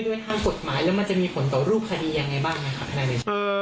ด้วยทางกฎหมายแล้วมันจะมีผลต่อรูปคดียังไงบ้างครับ